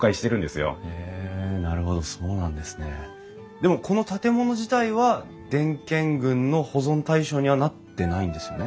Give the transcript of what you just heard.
でもこの建物自体は伝建群の保存対象にはなってないんですよね？